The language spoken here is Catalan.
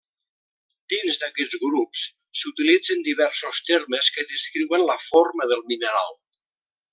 Dins d'aquests grups, s'utilitzen diversos termes que descriuen la forma del mineral.